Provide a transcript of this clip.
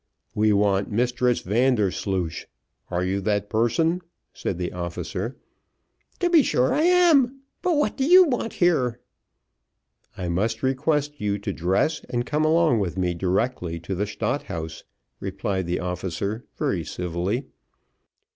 "We want Mistress Vandersloosh. Are you that person?" said the officer. "To be be sure I am. But what do you want here?" "I must request you to dress and come along with me directly to the Stadt House," replied the officer, very civilly.